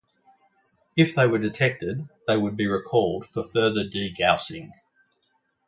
If they were detected, they would be recalled for further degaussing.